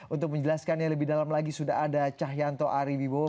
untuk menjelaskannya lebih dalam lagi sudah ada cahyanto ariwibowo